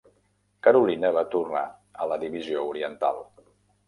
Carolina va tornar a la Divisió Oriental.